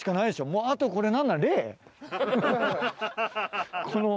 もうあとこれ何なの？